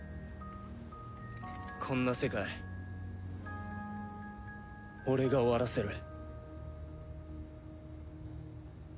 こんな世界俺が終わらせる。